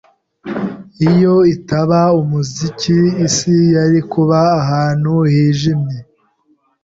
Iyo itaba umuziki, isi yari kuba ahantu hijimye.